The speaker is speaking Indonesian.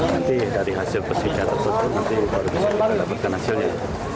nanti dari hasil persija tersebut nanti baru bisa kita dapatkan hasilnya